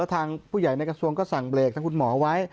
ทางผู้ใหญ่ในกระทรวงก็สั่งเบรกทางคุณหมอไว้